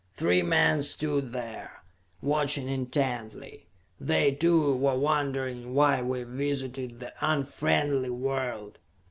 Three men stood there, watching intently; they too, were wondering why we visited the unfriendly world.